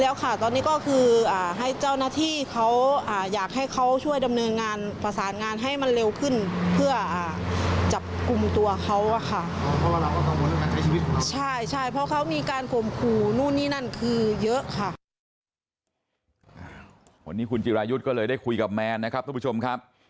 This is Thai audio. วันนี้คุณจิรายุทธ์ก็เลยได้คุยกับแมนนะครับทุกผู้ชมครับ